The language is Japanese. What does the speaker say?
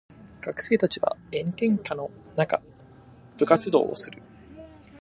学生たちは炎天下の中部活動をする。